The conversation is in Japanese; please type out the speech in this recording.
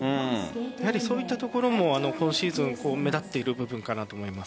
そういったところも今シーズン目立っている部分かと思います。